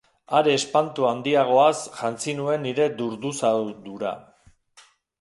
Are espantu handiagoaz jantzi nuen nire durduzadura.